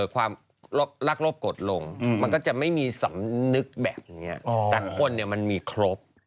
ความรักลบกดลงมันก็จะไม่มีสำนึกแบบนี้แต่คนมันมีครบ